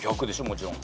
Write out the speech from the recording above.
もちろん。